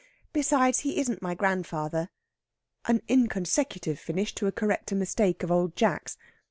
Besides, he isn't my grandfather." An inconsecutive finish to correct a mistake of Old Jack's.